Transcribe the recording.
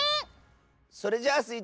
それじゃあスイ